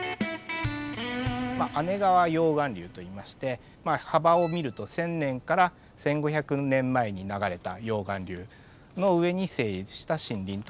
姉川溶岩流といいまして幅を見ると１，０００年から１，５００年前に流れた溶岩流の上に成立した森林となります。